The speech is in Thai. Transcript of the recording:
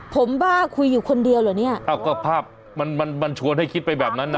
ผมบ้าคุยอยู่คนเดียวเหรอเนี่ยอ้าวก็ภาพมันมันชวนให้คิดไปแบบนั้นนะ